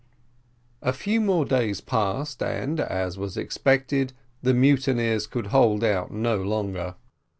A few more days passed, and, as was expected, the mutineers could hold out no longer.